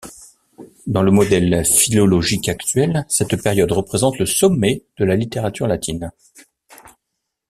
Dans le modèle philologique actuel, cette période représente le sommet de la littérature latine.